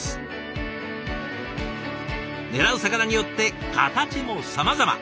狙う魚によって形もさまざま。